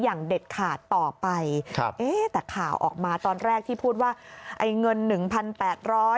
อย่างเด็ดขาดต่อไปแต่ข่าวออกมาตอนแรกที่พูดว่าไอ้เงิน๑๘๐๐บาท